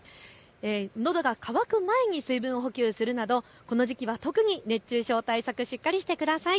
のどが渇く前に水分補給するなどこの時期は特に熱中症対策しっかりしてください。